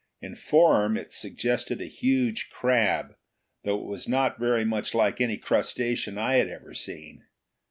In form it suggested a huge crab, though it was not very much like any crustacean I had ever seen.